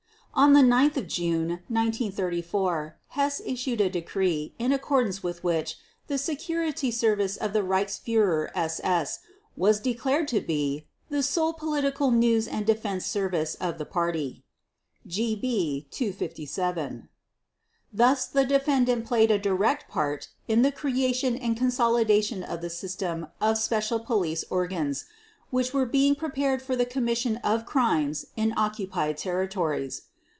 On 9 June 1934 Hess issued a decree in accordance with which the "Security Service of the Reichsführer SS" was declared to be the "sole political news and defense service of the Party" (GB 257). Thus the defendant played a direct part in the creation and consolidation of the system of special police organs which were being prepared for the commission of crimes in occupied territories.